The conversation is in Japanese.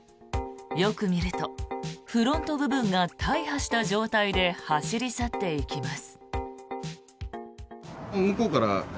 よく見るとフロント部分が大破した状態で走り去っていきます。